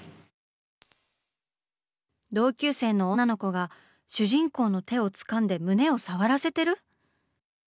同級生の女の子が主人公の手をつかんで胸を触らせてる⁉